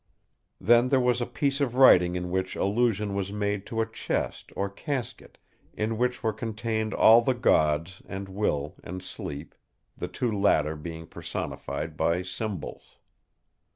Then there was a piece of writing in which allusion was made to a chest or casket in which were contained all the Gods, and Will, and Sleep, the two latter being personified by symbols.